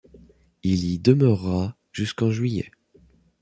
Il y demeurera jusqu'en juillet.